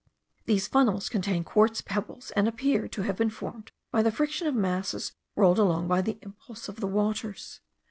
These funnels contain quartz pebbles, and appear to have been formed by the friction of masses rolled along by the impulse of the waters.